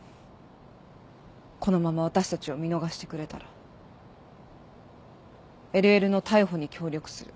このまま私たちを見逃してくれたらＬＬの逮捕に協力する。